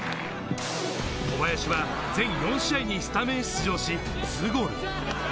小林は全４試合にスタメン出場し、２ゴール。